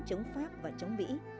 chống pháp và chống mỹ